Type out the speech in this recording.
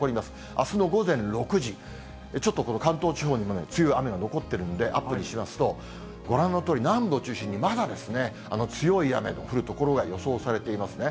あすの午前６時、ちょっとこの関東地方にも強い雨が残っているんで、アップにしますと、ご覧のとおり、南部を中心にまだですね、強い雨の降る所が予想されていますね。